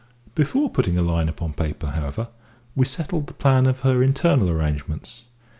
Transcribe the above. Before putting a line upon paper, however, we settled the plan of her internal arrangements.